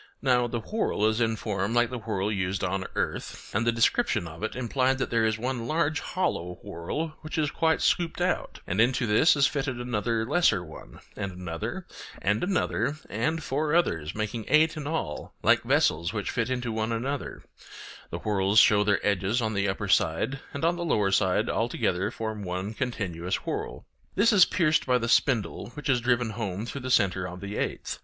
Now the whorl is in form like the whorl used on earth; and the description of it implied that there is one large hollow whorl which is quite scooped out, and into this is fitted another lesser one, and another, and another, and four others, making eight in all, like vessels which fit into one another; the whorls show their edges on the upper side, and on their lower side all together form one continuous whorl. This is pierced by the spindle, which is driven home through the centre of the eighth.